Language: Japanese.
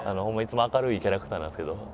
ホンマいつも明るいキャラクターなんですけど。